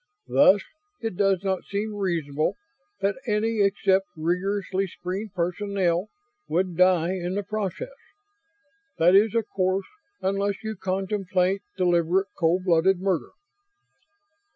Thus it does not seem reasonable that any except rigorously screened personnel would die in the process. That is, of course, unless you contemplate deliberate, cold blooded murder."